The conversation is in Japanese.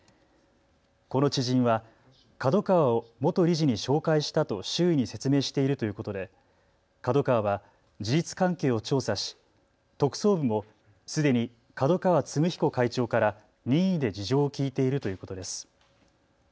この知人はＫＡＤＯＫＡＷＡを元理事に紹介したと周囲に説明しているということで、ＫＡＤＯＫＡＷＡは事実関係を調査し特捜部もすでに角川歴彦会長から任意で事情を聴いているということです。